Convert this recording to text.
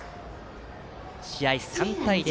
試合は３対０。